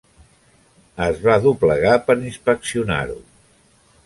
Es va doblegar per inspeccionar-ho.